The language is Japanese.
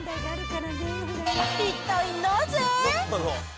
一体なぜ？